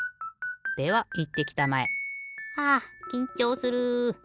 ではいってきたまえ。はあきんちょうする。